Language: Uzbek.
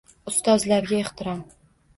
Ustozlarga ehtirom